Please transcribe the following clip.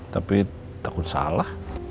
tapi takut salah